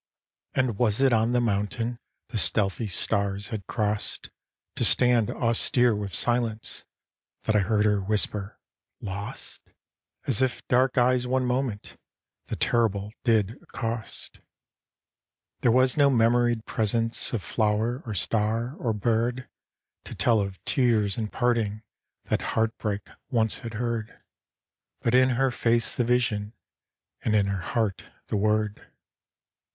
And was it on the mountain, The stealthy stars had crossed To stand austere with silence, That I heard her whisper, "Lost"? As if dark eyes one moment The Terrible did accost. There was no memoried presence Of flower or star or bird To tell of tears and parting That heartbreak once had heard But in her face the vision, And in her heart the word.